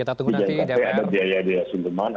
jadi apakah ada biaya biaya sungguh mana